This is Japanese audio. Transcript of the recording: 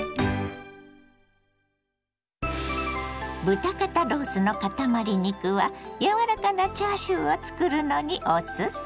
豚肩ロースのかたまり肉は柔らかなチャーシューを作るのにおすすめ。